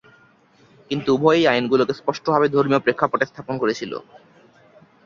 কিন্তু, উভয়েই আইনগুলোকে স্পষ্টভাবে ধর্মীয় প্রেক্ষাপটে স্থাপন করেছিল।